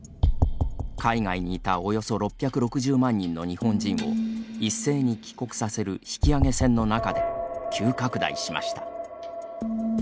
海外にいた、およそ６６０万人の日本人を一斉に帰国させる引き揚げ船の中で急拡大しました。